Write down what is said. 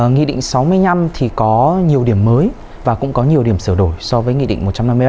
nghị định sáu mươi năm thì có nhiều điểm mới và cũng có nhiều điểm sửa đổi so với nghị định một trăm năm mươi một